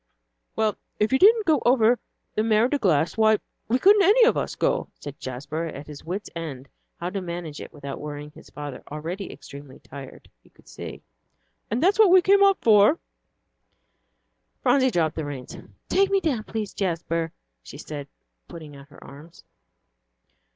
"Well, if you didn't go over the Mer de Glace, why, we couldn't any of us go," said Jasper, at his wits' end how to manage it without worrying his father, already extremely tired, he could see, "and that's what we've come up for " Phronsie dropped the reins. "Take me down, please, Jasper," she said, putting out her arms.